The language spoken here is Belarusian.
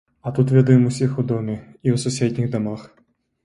А тут ведаем усіх у доме, і ў суседніх дамах.